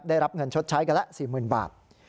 ได้รับเงินชดใช้กันละ๔๐๐๐บาท